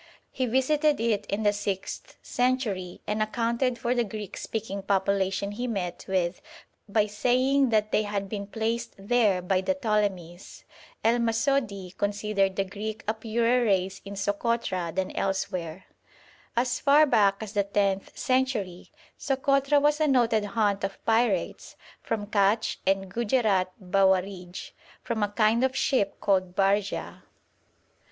He visited it in the sixth century, and accounted for the Greek speaking population he met with by saying that they had been placed there by the Ptolemies. El Masoudi considered the Greek a purer race in Sokotra than elsewhere. As far back as the tenth century Sokotra was a noted haunt of pirates from Katch and Gujerat Bawarij, from a kind of ship called barja.